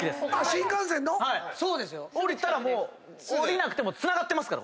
新幹線の⁉降りたらもう下りなくてもつながってます。